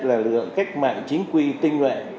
là lực lượng cách mạng chính quy tinh nguyện